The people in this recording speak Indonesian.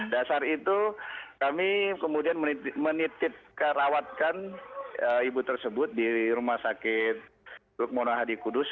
dasar itu kami kemudian menitipkan rawatkan ibu tersebut di rumah sakit lukmono hadi kudus